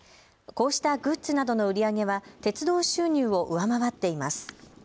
こうしたグッズなどの売り上げは鉄道収入を上回っています。